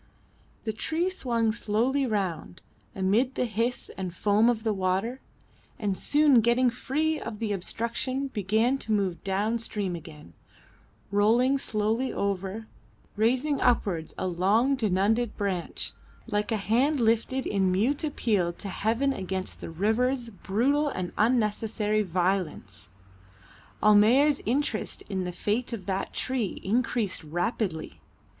The tree swung slowly round, amid the hiss and foam of the water, and soon getting free of the obstruction began to move down stream again, rolling slowly over, raising upwards a long, denuded branch, like a hand lifted in mute appeal to heaven against the river's brutal and unnecessary violence. Almayer's interest in the fate of that tree increased rapidly.